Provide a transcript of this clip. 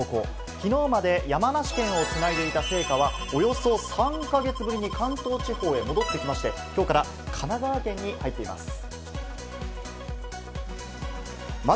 きのうまで山梨県をつないでいた聖火は、およそ３か月ぶりに関東地方へ戻ってきまして、きょうから神奈川県に入っています。